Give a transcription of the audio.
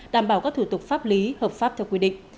đảm bảo các thủ tục pháp lý hợp pháp theo quy định